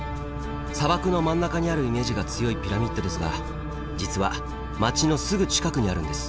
砂漠の真ん中にあるイメージが強いピラミッドですが実は街のすぐ近くにあるんです。